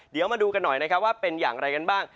เดี๋ยวมาดูกันหน่อยนะครับว่าเป็นอย่างไรกันบ้าง